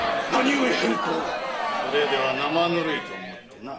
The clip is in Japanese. それでは生ぬるいと思ってな。